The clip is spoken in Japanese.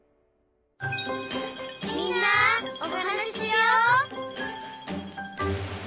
「みんなおはなししよう」